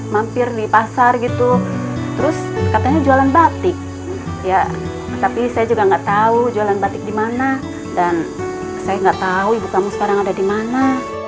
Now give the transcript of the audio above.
mampir di pasar gitu terus katanya jualan batik ya tapi saya juga nggak tahu jualan batik di mana dan saya nggak tahu ibu kamu sekarang ada di mana